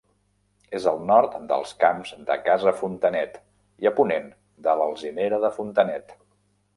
És al nord dels Camps de Casa Fontanet i a ponent de l'Alzinera de Fontanet.